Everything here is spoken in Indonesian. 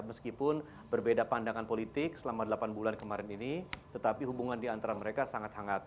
meskipun berbeda pandangan politik selama delapan bulan kemarin ini tetapi hubungan di antara mereka sangat hangat